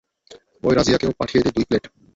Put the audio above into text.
ওই রাজিয়াকেও পাঠিয়ে দে, দুই প্লেট।